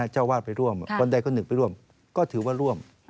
เจ้าวาดไปร่วมวันใดคนหนึ่งไปร่วมก็ถือว่าร่วม